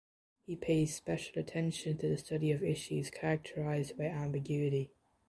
He pays special attention to the study of issues characterized by ambiguity.